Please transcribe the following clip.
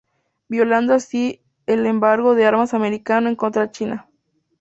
Violando así el embargo de armas americano en contra China.